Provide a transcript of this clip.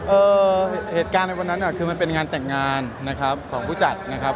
เอ่อเหตุการณ์ในวันนั้นอ่ะคือมันเป็นงานแต่งงานนะครับของผู้จัดนะครับ